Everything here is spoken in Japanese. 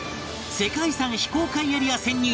世界遺産非公開エリア潜入